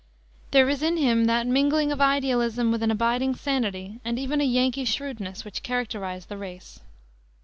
There is in him that mingling of idealism with an abiding sanity, and even a Yankee shrewdness, which characterizes the race.